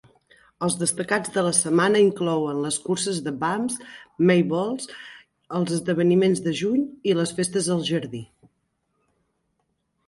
Els destacats de la setmana inclouen les curses de Bumps, May Balls, els Esdeveniments de Juny i les festes al jardí.